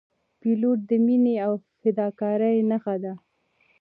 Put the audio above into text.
پیلوټ د مینې او فداکارۍ نښه ده.